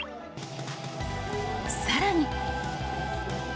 さらに。